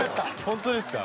本当ですか？